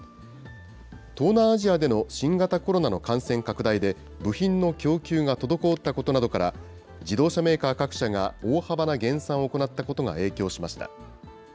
東南アジアでの新型コロナの感染拡大で、部品の供給が滞ったことなどから、自動車メーカー各社が大幅な減産を行ったことが影響しました。